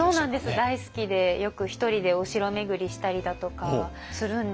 大好きでよく１人でお城巡りしたりだとかするんですよ。